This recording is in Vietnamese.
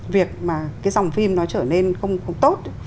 việc mà cái dòng phim nó trở nên không tốt